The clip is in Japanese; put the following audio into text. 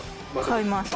買います。